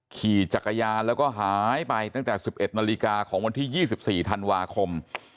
ขี่จักรยานแล้วก็หายไปตั้งแต่สิบเอ็ดนาฬิกาของวันที่ยี่สิบสี่ธันวาคม